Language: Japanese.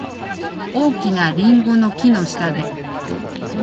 大きなリンゴの木の下で。